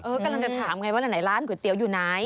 กำลังจะถามไงว่าไหนร้านก๋วยเตี๋ยวอยู่ไหน